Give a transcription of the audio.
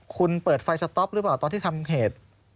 คุณเปิดไฟสต๊อปหรือเปล่าตอนที่ทำเหตุ